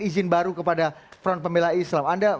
izin baru kepada front pemilai islam